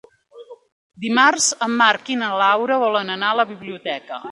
Dimarts en Marc i na Laura volen anar a la biblioteca.